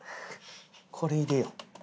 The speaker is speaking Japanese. これ入れよう。